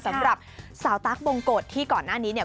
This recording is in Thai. สำหรับสาวตั๊กบงกฎที่ก่อนหน้านี้เนี่ย